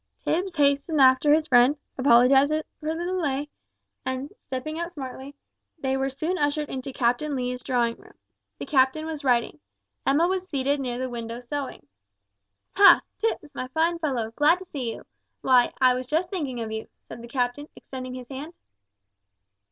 Tipps hastened after his friend, apologised for the delay, and, stepping out smartly, they were soon ushered into Captain Lee's drawing room. The captain was writing. Emma was seated near the window sewing. "Ha! Tipps, my fine fellow, glad to see you; why, I was just thinking of you," said the captain, extending his hand.